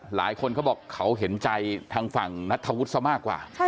เขาบอกเขาเห็นใจทางฝั่งนัทธวุฒิซะมากกว่า